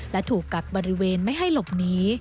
และถูกกักบริเวณไม่ให้หลบหนี